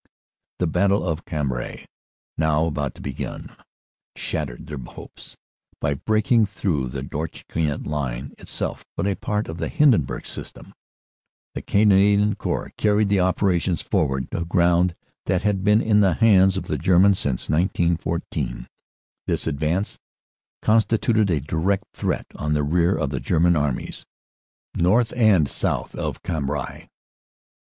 "The Battle of Cambrai, now about to be begun, shattered their hopes. By breaking through the Drocourt Queant Line, itself but a part of the Hindenburg System, the Canadian Corps carried the operations forward to ground that had been in the hands of the Germans since 1914. This advance con PLANNING ATTACK ON HINDENBURG LINE 1 1 1 stituted a direct threat on the rear of the German Armies north and south of Cambrai.